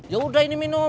ya udah ini minum